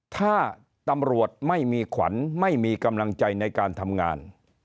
ถ้าตำรวจไม่มีขวัญไม่มีกำลังใจในการทำงาน